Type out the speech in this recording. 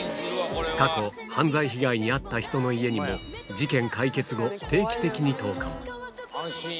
過去、犯罪被害にあった人の家にも、事件解決後、定期的に投かん。